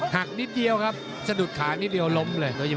นิดเดียวครับสะดุดขานิดเดียวล้มเลย